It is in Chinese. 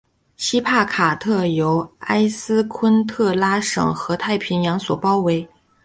锡帕卡特由埃斯昆特拉省和太平洋所包围。